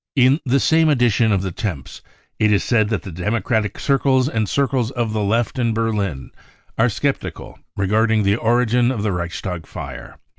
In the same edition of the Temps it is said that the Demo cratic circles and circles of the Left in Berlin are sceptical regarding the origin of the Reichstag fire.